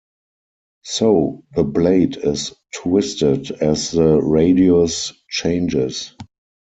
So, the blade is twisted as the radius changes.